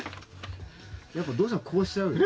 やっぱどうしてもこうしちゃうよね。